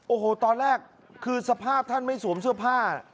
โอ้โหตอนแรกคือสภาพท่านไม่สวมเสื้อผ้า